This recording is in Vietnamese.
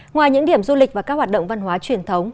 ngoài những điểm du lịch và các hoạt động văn hóa truyền thống